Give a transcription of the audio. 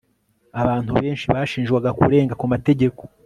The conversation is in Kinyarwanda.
abantu benshi bashinjwaga kurenga ku mategeko